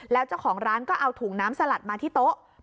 แล้วเจ้าของร้านก็เอาถุงน้ำสลัดมาที่โต๊ะ